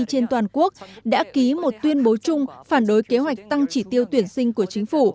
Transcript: trên toàn quốc đã ký một tuyên bố chung phản đối kế hoạch tăng chỉ tiêu tuyển sinh của chính phủ